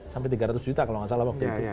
sampai tiga ratus juta kalau nggak salah waktu itu